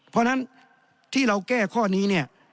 เพราะฉะนั้นที่เราแก้ข้อนี้เนี่ย